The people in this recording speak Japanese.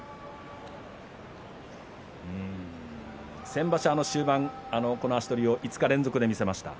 先場所、終盤この足取りを５日連続で見せました。